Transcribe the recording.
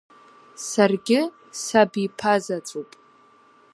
Саргьы сабиԥазаҵәуп.